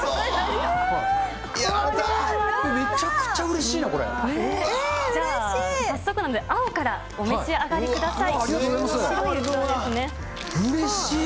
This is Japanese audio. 早速なので、青からお召し上がりください。